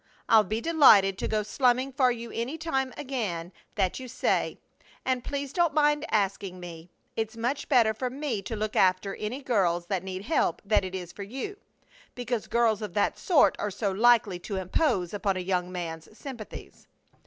I'll be delighted to go slumming for you any time again that you say, and please don't mind asking me. It's much better for me to look after any girls that need help than it is for you, because girls of that sort are so likely to impose upon a young man's sympathies.